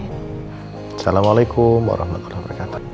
assalamualaikum warahmatullahi wabarakatuh